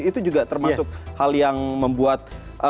itu juga termasuk hal yang membuat